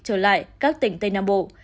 trở lại các tỉnh tây nam bộ